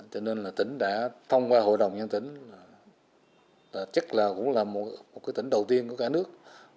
cho nên là tỉnh đã thông qua hội đồng nhân tỉnh chắc là cũng là một tỉnh đầu tiên của cả nước